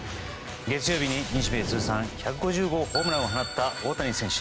月曜日に日米通算１５０号ホームランを放った大谷翔平選手。